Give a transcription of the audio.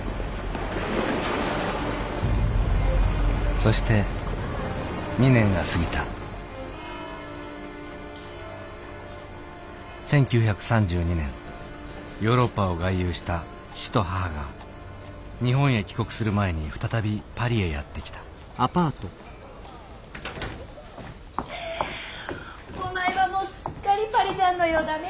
そして２年が過ぎた１９３２年ヨーロッパを外遊した父と母が日本へ帰国する前に再びパリへやって来たお前はもうすっかりパリジャンのようだね。